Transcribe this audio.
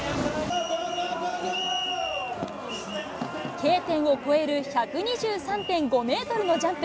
Ｋ点を越える１２３．５メートルのジャンプ。